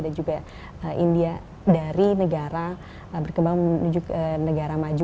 dan juga india dari negara berkembang menuju negara maju